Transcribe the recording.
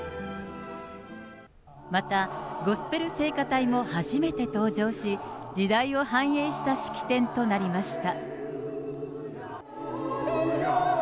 また、ゴスペル聖歌隊も初めて登場し、時代を反映した式典となりました。